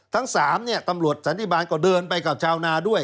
ทั้ง๓เนี่ยตำรวจสันติบาลก็เดินไปกับชาวนาด้วย